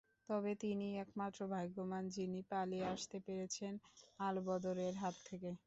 তবে তিনিই একমাত্র ভাগ্যবান, যিনি পালিয়ে আসতে পেরেছেন আলবদরদের হাত থেকে।